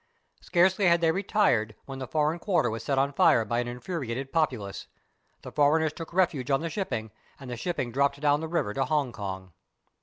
Scarcely had they retired when the foreign quarter was set on fire by an infuriated populace. The foreigners took refuge on the shipping, and the shipping dropped down the river to Hong Kong.